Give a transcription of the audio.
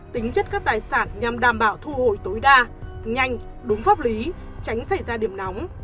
tính chất các tài sản nhằm đảm bảo thu hồi tối đa nhanh đúng pháp lý tránh xảy ra điểm nóng